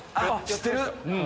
知ってる！